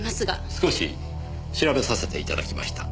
少し調べさせて頂きました。